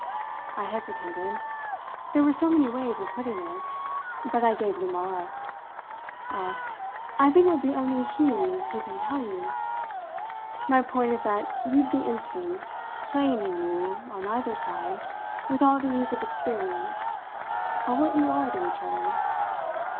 I hesitated there were so many ways of putting it; but I gave them all up. "Ah, I think it will be only he who can tell you! My point is that you've the instinct playing in you, on either side, with all the ease of experience of what you are to each other.